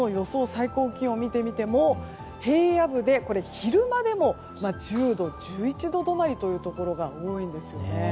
最高気温を見てみても平野部で昼間でも１０度、１１度止まりというところが多いんですよね。